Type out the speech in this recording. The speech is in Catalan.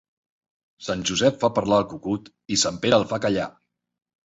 Sant Josep fa parlar el cucut i Sant Pere el fa callar.